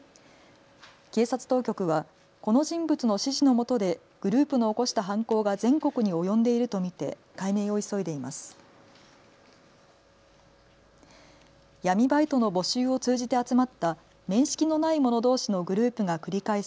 警察当局はこの人物の指示のもとでグループの起こした犯行が全国に及んでいると見て解明を急いでいます。